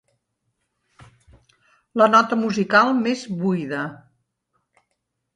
La nota musical més buida.